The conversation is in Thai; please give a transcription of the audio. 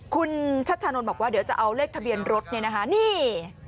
คุณชัชชานนท์บอกว่าเดี๋ยวจะเอาเลขทะเบียนรถเนี่ยนะคะนี่